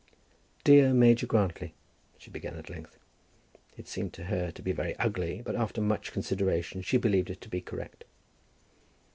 "Dear Major Grantly," she began at length. It seemed to her to be very ugly, but after much consideration she believed it to be correct.